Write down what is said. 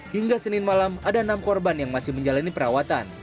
hingga senin malam ada enam korban yang masih menjalani perawatan